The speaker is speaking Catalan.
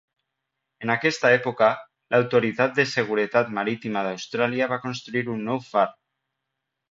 En aquesta època, l'autoritat de seguretat marítima d'Austràlia va construir un nou far.